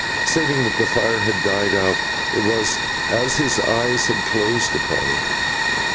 Saving that the fire had died out, it was as his eyes had closed upon it.